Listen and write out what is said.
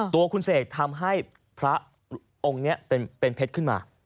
ตัวคุณเสกทำให้พระองค์นี้เป็นเพชรขึ้นมา